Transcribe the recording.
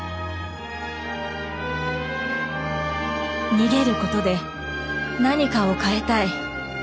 逃げることで何かを変えたい。